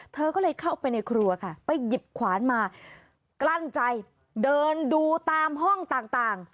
เธอก็เลยเข้าไปในครัวค่ะไปหยิบขวานมากลั้นใจเดินดูตามห้องต่าง